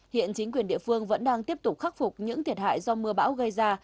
hiện chính quyền địa phương vẫn đang tiếp tục khắc phục những thiệt hại do mưa bão gây ra